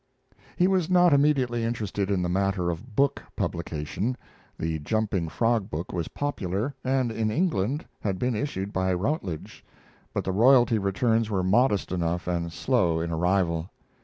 ] He was not immediately interested in the matter of book publication. The Jumping Frog book was popular, and in England had been issued by Routledge; but the royalty returns were modest enough and slow in arrival.